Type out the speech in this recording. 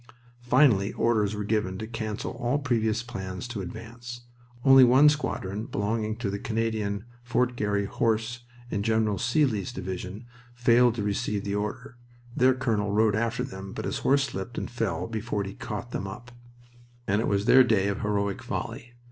Finally orders were given to cancel all previous plans to advance. Only one squadron, belonging to the Canadian Fort Garry Horse in General Seely's division, failed to receive the order (their colonel rode after them, but his horse slipped and fell before he caught them up), and it was their day of heroic folly.